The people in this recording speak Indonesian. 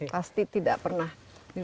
pasti tidak pernah dilupakan ya